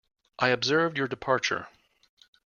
I observed your departure.